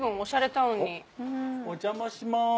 お邪魔しまーす。